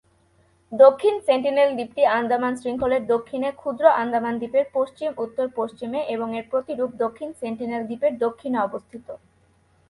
দক্ষিণ সেন্টিনেল দ্বীপটি আন্দামান শৃঙ্খলের দক্ষিণে ক্ষুদ্র আন্দামান দ্বীপের পশ্চিম-উত্তর-পশ্চিমে এবং এর প্রতিরূপ দক্ষিণ সেন্টিনেল দ্বীপের দক্ষিণে অবস্থিত।